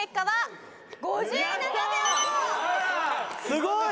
すごい！